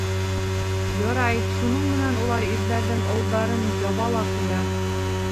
Ярай, шуның менән улар ирҙәренең ауыҙҙарын яба ла ҡуя.